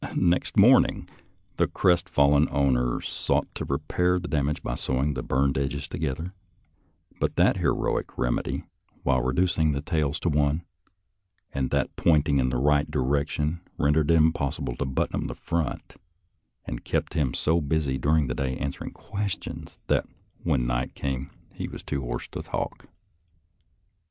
Next morning 28 SOLDIER'S LETTERS TO CHARMING NELLIE the crestfallen owner sought to repair the dam age by sewing the burned edges together, but that heroic remedy, while reducing the tails to one, and that pointing in the right direction, ren dered it impossible to button up the front, and kept him so busy during the day answering ques tions that when night came he was too hoarse to talk.